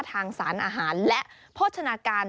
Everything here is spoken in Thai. ทางสารอาหารและโภชนาการ